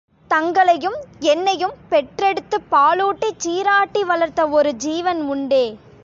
தங்களையும் என்னையும் பெற்றெடுத்துப் பாலூட்டிச் சீராட்டி வளர்த்த ஒரு ஜீவன் உண்டே!